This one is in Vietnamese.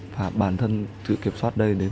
và bản thân sự kiểm soát nhất định